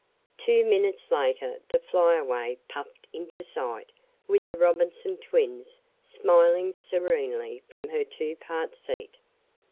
Two minutes later the Flyaway puffed into sight with the Robinson twins smiling serenely from her two part seat.